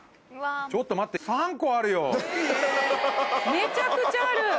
・めちゃくちゃある！